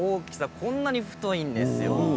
こんなに太いんですよ。